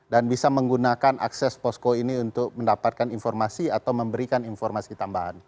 dan bisa menggunakan akses posko ini untuk mendapatkan informasi atau memberikan informasi tambahan